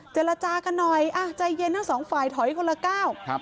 เจลจากันหน่อยใจเย็นให้สองฝ่ายถอยคนละก้าว